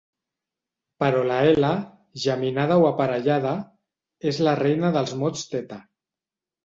Però la ela, geminada o aparellada, és la reina dels mots Tete.